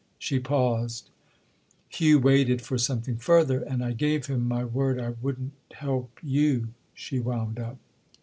She paused; Hugh waited for something further, and "I gave him my word I wouldn't help you," she wound up.